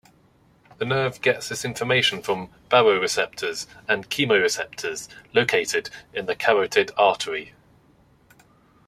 The nerve gets this information from baroreceptors and chemoreceptors located in the carotid artery.